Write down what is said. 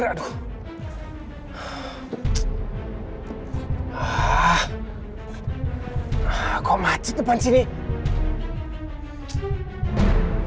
fahri harus tau nih